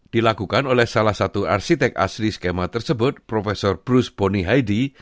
dilakukan oleh salah satu arsitek asli skema tersebut prof bruce bonihaydi